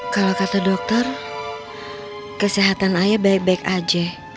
kalau kata dokter kesehatan ayah baik baik aja